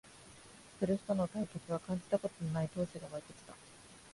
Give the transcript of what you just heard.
古巣との対決は感じたことのない闘志がわいてきた